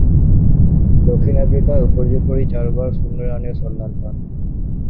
দক্ষিণ আফ্রিকায় উপর্যুপরী চারবার শূন্য রানের সন্ধান পান।